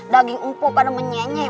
daging empuk pada menyanyai